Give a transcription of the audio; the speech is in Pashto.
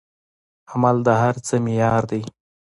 عمل د هر څه معیار دی.